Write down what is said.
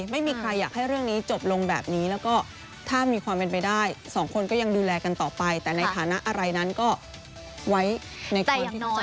ไม่มีใครอยากให้เรื่องนี้จบลงแบบนี้แล้วก็ถ้ามีความเป็นไปได้สองคนก็ยังดูแลกันต่อไปแต่ในฐานะอะไรนั้นก็ไว้ในใจ